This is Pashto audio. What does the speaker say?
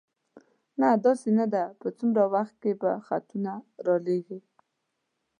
نه، داسې نه ده، په څومره وخت کې به خطونه را لېږې؟